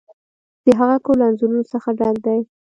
د هغه کور له انځورونو څخه ډک دی.